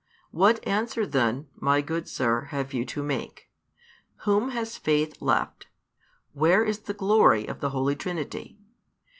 What answer then, my good Sir, have you to make? Whom has faith left? Where is the glory of the Holy Trinity?